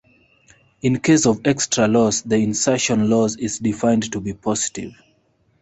In case of extra loss the insertion loss is defined to be positive.